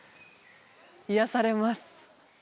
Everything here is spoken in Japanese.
癒やされます